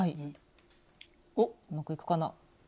おっうまくいくかな。